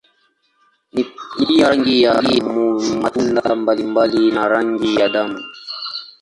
Ni pia rangi ya matunda mbalimbali na rangi ya damu.